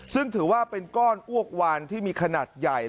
ซึ่งถือว่าเป็นก้อนอ้วกวานที่มีขนาดใหญ่